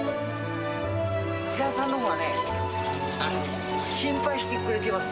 お客さんのほうがね、心配してくれてます。